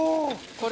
これ。